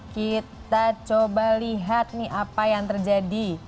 kita coba lihat nih apa yang terjadi